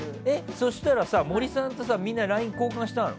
そうしたら、森さんとみんなＬＩＮＥ交換したの？